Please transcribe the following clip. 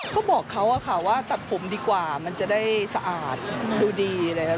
ก็บอกเขาค่ะว่าตัดผมดีกว่ามันจะได้สะอาดดูดีเลยค่ะ